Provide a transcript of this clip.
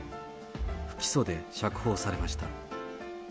不起訴で釈放されました。